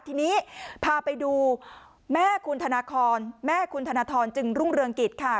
ทีนี้พาไปดูแม่คุณธนาคอนแม่คุณธนทรจึงรุ่งเรืองกิจค่ะ